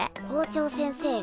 校長先生